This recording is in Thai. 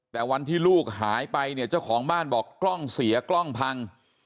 แต่วันที่ลูกหายไปเนี่ยเจ้าของบ้านบอกกล้องเสียกล้องพัง